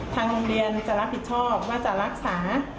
ทางโรงเรียนจะรับผิดชอบว่าจะรักษา